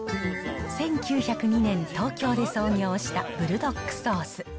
１９０２年、東京で創業したブルドックソース。